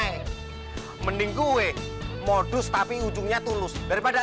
enak lu nih somenya gue sita cemilin tuh kakaknya